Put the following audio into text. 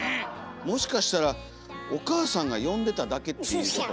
もしかしたらお母さんが呼んでただけっていうことも。